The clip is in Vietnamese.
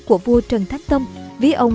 của vua trần thánh tông ví ông